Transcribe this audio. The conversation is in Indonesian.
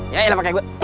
ya iyalah pakai gue